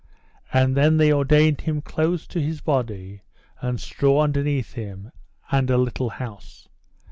And then they ordained him clothes to his body, and straw underneath him, and a little house.